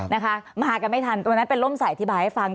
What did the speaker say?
นะคะมาหากันไม่ทันวันนั้นเป็นร่มใส่อธิบายให้ฟัง